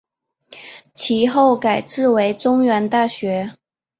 其后改制为中原大学。